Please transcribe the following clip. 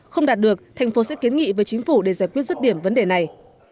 không đạt được thành phố sẽ kiến nghị với chính phủ để giải quyết rứt điểm vấn đề này